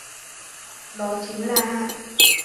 đó chính là Hạ